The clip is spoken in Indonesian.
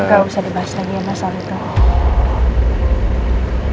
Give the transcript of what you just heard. enggak usah dibahas lagi ya mas sofi tuh